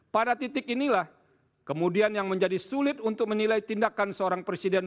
pada titik inilah kemudian yang menjadi sulit untuk menilai tindakan seorang presiden